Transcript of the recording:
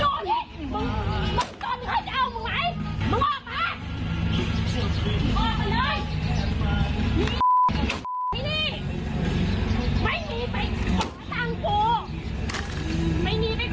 ไม่มีไปขอทางกูมึงไม่ต้องไปเรียก